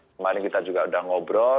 kemarin kita juga sudah ngobrol